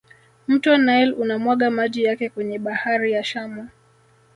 mto nile unamwaga maji yake kwenye bahari ya shamu